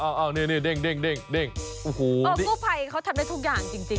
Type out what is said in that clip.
อ้าวฟู้ภัยเขาทำได้ทุกอย่างจริง